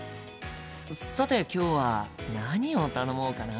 さて今日は何を頼もうかな？